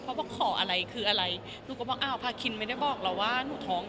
เพราะว่าขออะไรคืออะไรหนูก็บอกอ้าวพาคินไม่ได้บอกเราว่าหนูท้อง